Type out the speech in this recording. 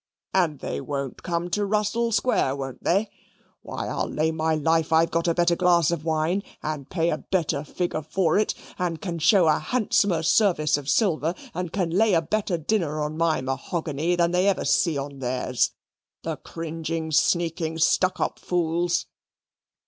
And they won't come to Russell Square, won't they? Why, I'll lay my life I've got a better glass of wine, and pay a better figure for it, and can show a handsomer service of silver, and can lay a better dinner on my mahogany, than ever they see on theirs the cringing, sneaking, stuck up fools.